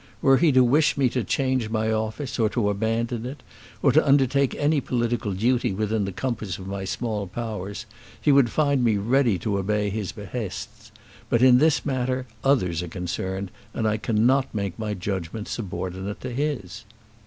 Were he to wish me to change my office, or to abandon it, or to undertake any political duty within the compass of my small powers, he would find me ready to obey his behests. But in this matter others are concerned, and I cannot make my judgment subordinate to his."